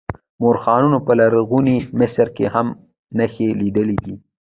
مورخانو په لرغوني مصر کې هم نښې لیدلې دي.